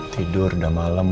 tidur udah malem